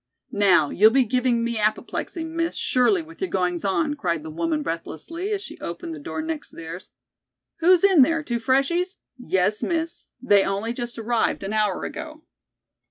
"Now, you'll be giving me apoplexy, Miss, surely, with your goings on," cried the woman breathlessly, as she opened the door next theirs. "Who's in there? Two freshies?" "Yes, Miss. They only just arrived an hour ago."